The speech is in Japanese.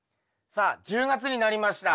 さあ１０月になりました。